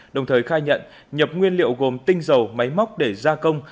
đồng thời khai nhận nhập nguyên liệu gồm tinh dầu máy móc để gia công